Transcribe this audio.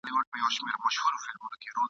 خزانونه رخصتیږي نوبهار په سترګو وینم ..